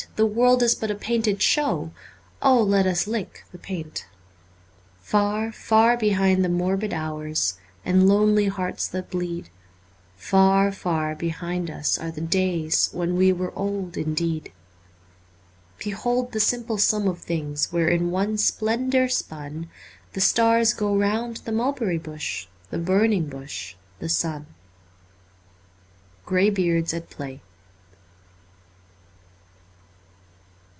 The world is but a painted show, O let us lick the paint ! Far, far behind are morbid hours And lonely hearts that bleed ; Far, far behind us are the days When we were old indeed. Behold the simple sum of things Where, in one splendour spun, The stars go round the Mulberry Bush, The Burning Bush, the Sun. ' Grey Beards at Play.'